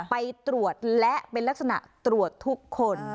ไปตรวจและเป็นลักษณะตรวจทุกคน